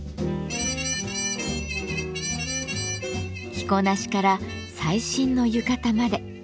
着こなしから最新の浴衣まで。